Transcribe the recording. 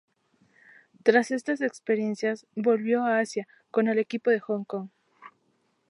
Tras estas experiencias volvió a Asia con el equipo de Hong Kong.